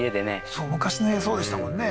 そうでしたもんね